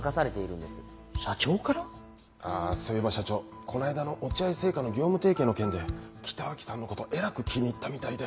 あぁそういえば社長この間の落合製菓の業務提携の件で北脇さんのことえらく気に入ったみたいで。